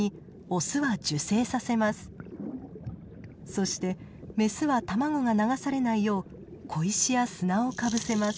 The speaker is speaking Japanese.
そしてメスは卵が流されないよう小石や砂をかぶせます。